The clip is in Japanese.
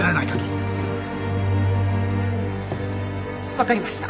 分かりました。